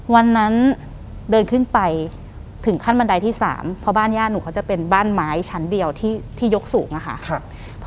วันนั้นเดินขึ้นไปถึงขั้นบันไดที่๓เพราะบ้านย่าหนูเขาจะเป็นบ้านไม้ชั้นเดียวที่ยกสูงอะค่ะ